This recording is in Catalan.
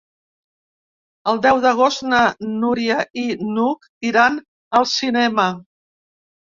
El deu d'agost na Núria i n'Hug iran al cinema.